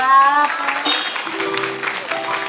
น้องพีมมาถึงการแก่งขันบ้าง